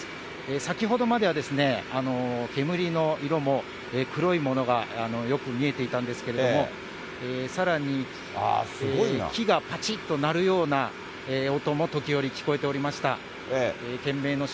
先ほどまでは、煙の色も黒いものがよく見えていたんですけれども、さらに木がぱちっと鳴るような音も時折、聞こえておりました。